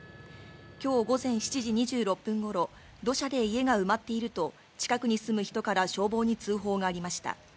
きょう午前７時２６分ごろ、土砂で家が埋まっていると近くに住む人から消防に通報がありました。